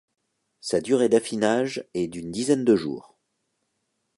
Sa durée d'affinage est d'une dizaine de jours.